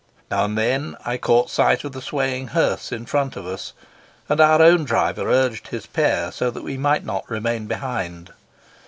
Now and then I caught sight of the swaying hearse in front of us, and our own driver urged his pair so that we might not remain behind.